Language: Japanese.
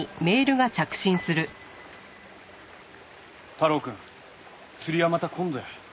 太郎くん釣りはまた今度や。